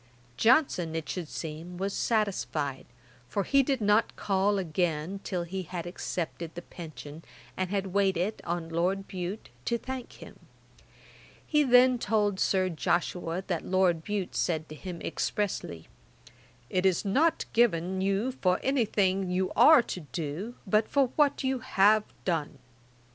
Johnson, it should seem, was satisfied, for he did not call again till he had accepted the pension, and had waited on Lord Bute to thank him. He then told Sir Joshua that Lord Bute said to him expressly, 'It is not given you for anything you are to do, but for what you have done.'